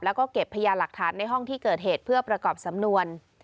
แล้วก็เก็บพยานหลักฐานในห้องที่เกิดเหตุเพื่อประกอบสำนวน